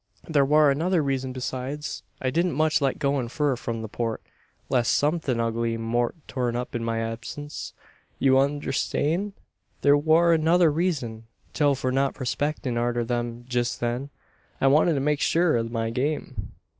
There war another reezun besides. I didn't much like goin' fur from the Port, leest somethin' ugly mout turn up in my absince. You unnerstan'? There war another reezun still for not prospectin' arter them jest then. I wanted to make shur o' my game."